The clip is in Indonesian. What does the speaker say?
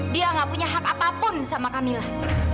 dia nggak punya hak apapun sama kamilah